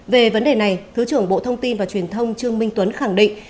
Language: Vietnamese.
về vấn đề này thứ trưởng bộ thông tin và truyền thông trương minh tuấn khẳng định